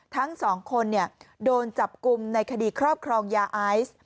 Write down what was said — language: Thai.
ทั้งสองคนโดนจับกลุ่มในคดีครอบครองยาไอซ์